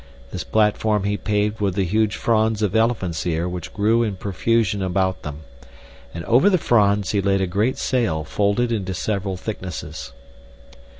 This platform he paved with the huge fronds of elephant's ear which grew in profusion about them, and over the fronds he laid a great sail folded into several thicknesses.